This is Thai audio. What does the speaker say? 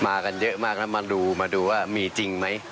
กันเยอะมากแล้วมาดูมาดูว่ามีจริงไหม